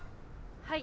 はい。